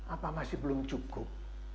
apa masih belum cukup